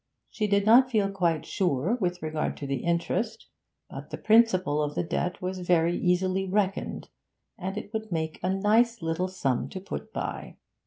She did not feel quite sure with regard to the interest, but the principal of the debt was very easily reckoned, and it would make a nice little sum to put by.